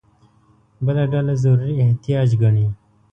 بله ډله ضروري احتیاج ګڼي.